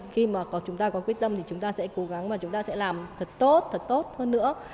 khi mà chúng ta có quyết tâm thì chúng ta sẽ cố gắng và chúng ta sẽ làm thật tốt thật tốt hơn nữa